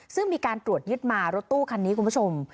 ซึ่งมีการตรวจยึดมารถตู้คันนี้คุณผู้ชม